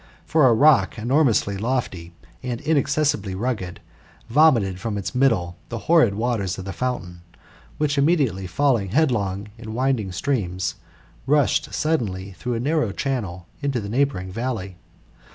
For a rock enormously lofty, and inaccessibly rugged, vomited from its middle the horrid waters of the fountain, which, immediately falling headlong in winding streams, rushed suddenly through a narrow channel into the neighbouring valley.